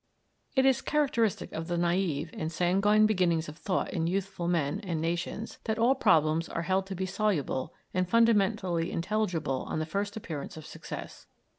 It is characteristic of the naïve and sanguine beginnings of thought in youthful men and nations, that all problems are held to be soluble and fundamentally intelligible on the first appearance of success.